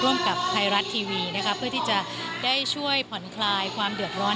กับไทยรัฐทีวีนะคะเพื่อที่จะได้ช่วยผ่อนคลายความเดือดร้อน